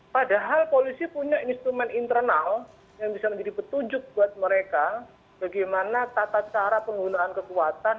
padahal polisi punya instrumen internal yang bisa menjadi petunjuk buat mereka bagaimana tata cara penggunaan kekuatan